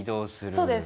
そうです。